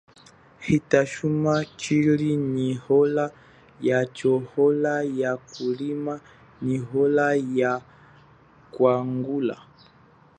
Hita chuma tshili nyi ola yacho ola ya kulima nyi ola ya kwangula.